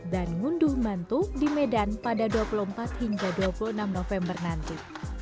dan ngunduh bantu di medan pada dua puluh empat hingga dua puluh enam november nanti